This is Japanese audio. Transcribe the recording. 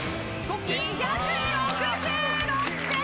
２６６点。